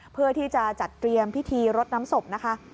เพื่อที่จะจัดเตรียมพิธีรดน้ำศพนะคะ